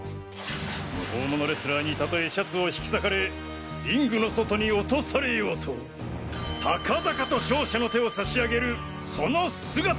無法者レスラーにたとえシャツを引き裂かれリングの外に落とされようと高々と勝者の手をさし上げるその姿！